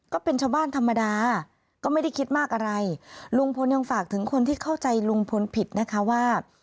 ก็เป็นชาวบ้านธรรมดาก็ไม่ได้คิดมากอะไรลุงพลยังฝากถึงคนที่เข้าใจลุงพลผิดนะคะว่า